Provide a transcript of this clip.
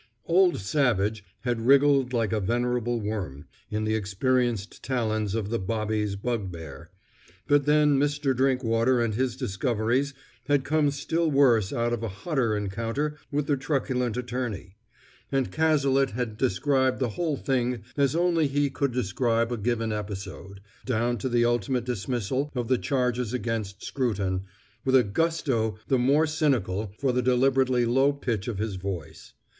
Old Savage had wriggled like a venerable worm, in the experienced talons of the Bobby's Bugbear; but then Mr. Drinkwater and his discoveries had come still worse out of a hotter encounter with the truculent attorney; and Cazalet had described the whole thing as only he could describe a given episode, down to the ultimate dismissal of the charge against Scruton, with a gusto the more cynical for the deliberately low pitch of his voice.